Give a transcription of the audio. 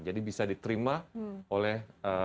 jadi bisa diterima oleh